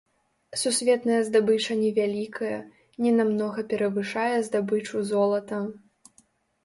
Сусветная здабыча невялікая, ненамнога перавышае здабычу золата.